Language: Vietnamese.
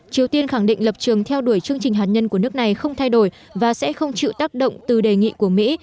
triều tiên khẳng định lập trường theo đuổi chương trình hạt nhân của nước này không thay đổi và sẽ không chịu tác động từ đề nghị của mỹ